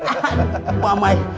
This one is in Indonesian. aduh pak mai